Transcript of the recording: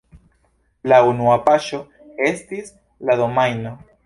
La unua paŝo estis la domajno.